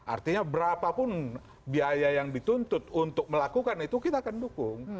artinya berapapun biaya yang dituntut untuk melakukan itu kita akan dukung